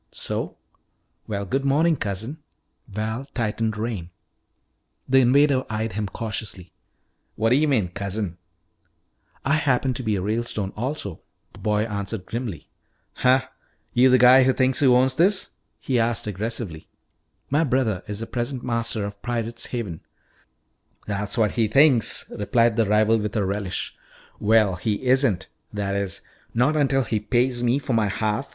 "So? Well, good morning, cousin." Val tightened rein. The invader eyed him cautiously. "What d'yuh mean cousin?" "I happen to be a Ralestone also," the boy answered grimly. "Huh? You the guy who thinks he owns this?" he asked aggressively. "My brother is the present master of Pirate's Haven " "That's what he thinks," replied the rival with a relish. "Well, he isn't. That is, not until he pays me for my half.